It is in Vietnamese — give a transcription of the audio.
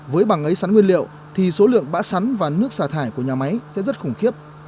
với bằng ấy sắn nguyên liệu thì số lượng bã sắn và nước xả thải của nhà máy sẽ rất khủng khiếp